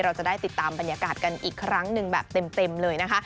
เราจะได้ติดตามบรรยากาศกันอีกครั้งหนึ่งแบบเต็มเลยนะคะ